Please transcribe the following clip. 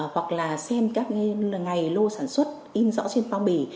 hoặc là xem các ngày lô sản xuất in rõ trên bao bì